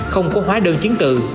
không có hóa đơn chiến tự